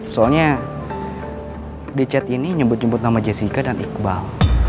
soalnya di chat ini nyebut nyebut nama jessica dan iqbal